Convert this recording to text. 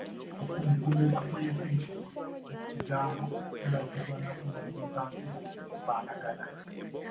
Okuggumira kw’ensirifu mu kigambo kulagibwa na kuwandiika nsirifu ezifaanagana.